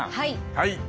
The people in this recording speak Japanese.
はい。